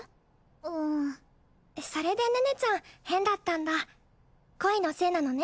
うんそれで寧々ちゃん変だったんだ恋のせいなのね